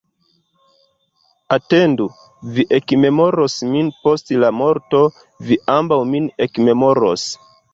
Atendu, vi ekmemoros min post la morto, vi ambaŭ min ekmemoros!